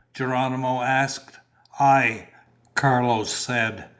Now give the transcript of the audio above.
Geronimo asked. "Aye," Carlos said.